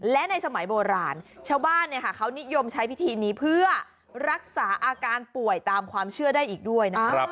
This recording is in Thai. และในสมัยโบราณชาวบ้านเขานิยมใช้พิธีนี้เพื่อรักษาอาการป่วยตามความเชื่อได้อีกด้วยนะครับ